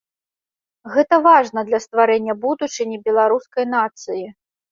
Гэта важна для стварэння будучыні беларускай нацыі.